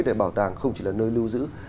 để bảo tàng không chỉ là nơi lưu giữ